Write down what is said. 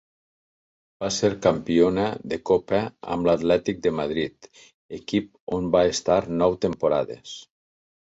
Va ser campiona de Copa amb l'Atlètic de Madrid, equip on va estar nou temporades.